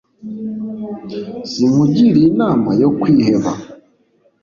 sinkugiriye inama yo kwiheba